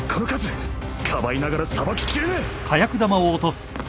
かばいながらさばききれねえ